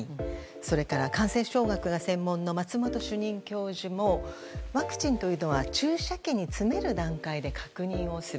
それから、感染症学が専門の松本主任教授もワクチンというのは注射器に詰める段階で確認をする。